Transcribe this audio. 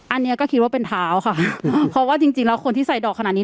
อันนี้ก็คิดว่าเป็นเท้าค่ะเพราะว่าจริงจริงแล้วคนที่ใส่ดอกขนาดนี้